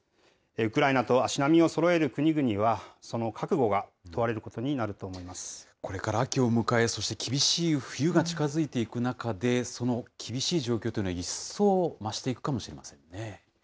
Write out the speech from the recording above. ウクライナと足並みをそろえる国々は、その覚悟が問われることにこれから秋を迎え、そして厳しい冬が近づいていく中で、その厳しい状況というのは、一層増していくかもしれませんね。